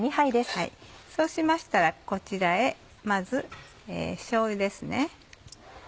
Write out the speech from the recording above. そうしましたらこちらへまずしょうゆです。